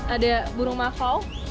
ada burung mafau